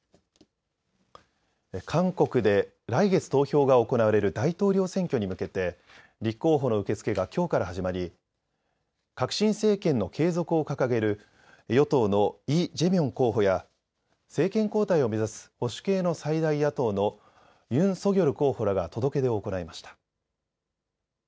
韓国で、来月投票が行われる大統領選挙に向けて立候補の受け付けが、きょうから始まり革新政権の継続を掲げる与党のイ・ジェミョン候補や政権交代を目指す保守系の最大野党のユン・ソギョル候補らが届け出を行いました。